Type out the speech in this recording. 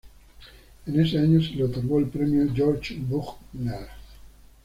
En ese año se le otorgó el premio Georg Büchner.